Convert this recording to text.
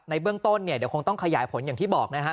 เบื้องต้นเนี่ยเดี๋ยวคงต้องขยายผลอย่างที่บอกนะครับ